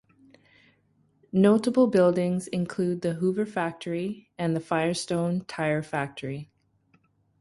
Notable buildings include the Hoover Factory and the Firestone Tyre Factory.